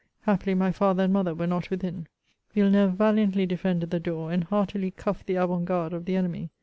Happily my father and mother were not within. Villeneuve valiantly defended the door, and heartily cuffed the avant guard of the enemy.